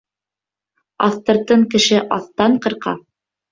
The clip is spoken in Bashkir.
Аҫтыртын кеше аҫтан ҡырҡа.